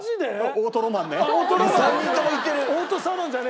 オートロマン。